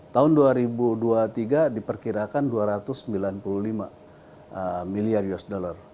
tahun dua ribu dua puluh tiga diperkirakan dua ratus sembilan puluh lima miliar usd